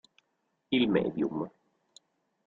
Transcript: Il medium